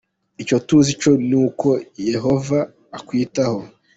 Icyo tuzi cyo ni uko Yehova ‘akwitaho’ .